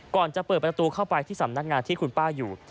ก่อนจะเปิดประตูเข้าไปที่สำนักงานที่คุณป้าอยู่